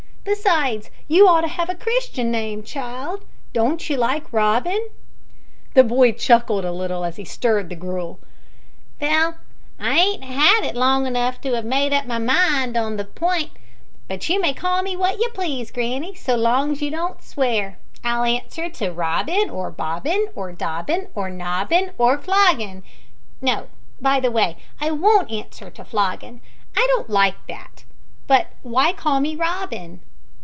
Besides, you ought to have a Christian name, child. Don't you like Robin?" The boy chuckled a little as he stirred the gruel. "Vell, I ain't had it long enough to 'ave made up my mind on the p'int, but you may call me wot you please, granny, s'long as you don't swear. I'll answer to Robin, or Bobin, or Dobin, or Nobin, or Flogin no, by the way, I won't answer to Flogin. I don't like that. But why call me Robin?"